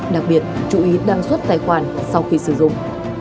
đặc biệt chú ý đăng suất tài khoản sau khi sử dụng